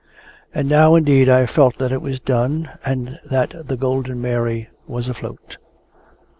And now indeed I felt that it was done, and that the Golden Mary was afloat.